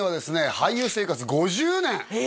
俳優生活５０年ええ！？